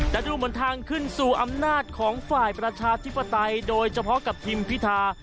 แต่ดูเหมือนทางขึ้นสู่อำนาจของฝ่ายประชาธิปไตยโดยเฉพาะกับทีมพิธา